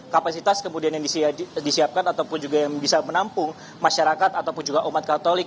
kapasitas kemudian yang disiapkan ataupun juga yang bisa menampung masyarakat ataupun juga umat katolik